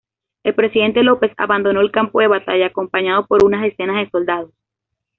El presidente López abandonó el campo de batalla acompañado por unas decenas de soldados.